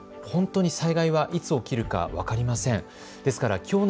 本当に災害はいつ起きるか分かりません。